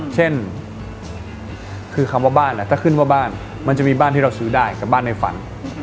เช่นคือคำว่าบ้านถ้าขึ้นว่าบ้านมันจะมีบ้านที่เราซื้อได้กับบ้านในฝัน